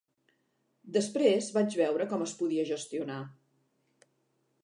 Després vaig veure com es podia gestionar.